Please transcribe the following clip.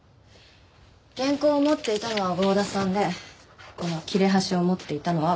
原稿を持っていたのは郷田さんでこの切れ端を持っていたのは私。